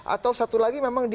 atau satu lagi memang di